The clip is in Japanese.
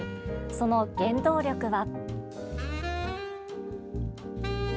その原動力は。